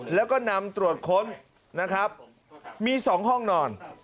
แล้วก็นำตรวจค้นนะครับมี๒ห้องนอน